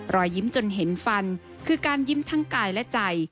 รอยยิ้มจนเห็นฟันคือการยิ้มทั้งกายและใจ